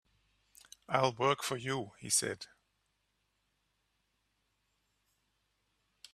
"I'll work for you," he said.